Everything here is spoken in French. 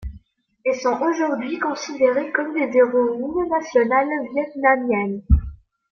Elles sont aujourd'hui considérées comme des héroïnes nationales vietnamiennes.